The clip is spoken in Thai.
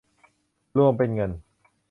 รวมเป็นเงิน